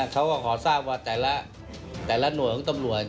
เขาก็ขอทราบว่าแต่ละหน่วยของตำรวจ